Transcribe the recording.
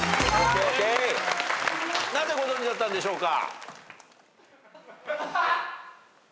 なぜご存じだったんでしょうか？